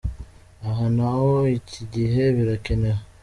Aha na ho iki gihe birakenewe.